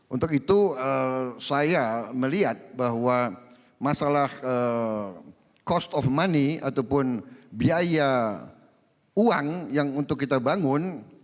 untuk itu saya melihat bahwa masalah cost of money ataupun biaya uang yang untuk kita bangun